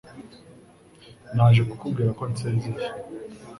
Naje kukubwira ko nsezeye.